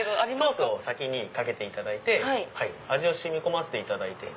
ソースを先にかけていただいて味を染み込ませていただいて。